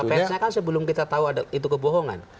jumpa psa kan sebelum kita tahu itu kebohongan